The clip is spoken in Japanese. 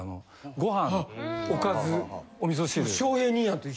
ご飯おかずおみそ汁。